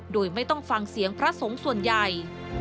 โดยไม่ต้องฟังเสียงพระสงฆ์ส่วนใหญ่